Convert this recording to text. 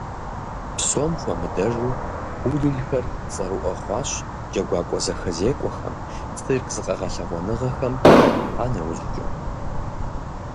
Псом хуэмыдэжу пуделхэр цӏэрыӏуэ хъуащ джэгуакӏуэ зэхэзекӏуэхэм, цирк зыкъэгъэлъагъуэныгъэхэм хыхьа нэужькӏэ.